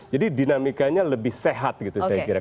jadi dinamikanya lebih sehat gitu saya kira